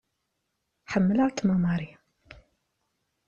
Ḥemmelɣ-kem a Marie.